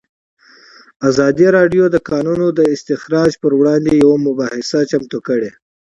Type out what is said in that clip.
ازادي راډیو د د کانونو استخراج پر وړاندې یوه مباحثه چمتو کړې.